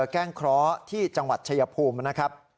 แก้งเคราะห์ที่จังหวัดชายภูมินะครับ